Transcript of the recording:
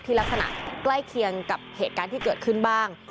ลักษณะใกล้เคียงกับเหตุการณ์ที่เกิดขึ้นบ้าง